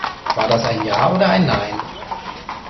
War das ein Ja oder ein Nein?